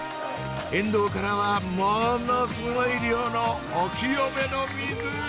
沿道からはものすごい量のお清めの水！